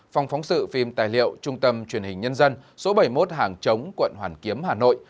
phòng phóng sự phim tài liệu trung tâm truyền hình nhân dân số bảy mươi một hàng chống quận hoàn kiếm hà nội